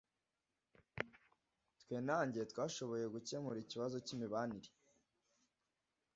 Twe na njye twashoboye gukemura ikibazo cyimibare.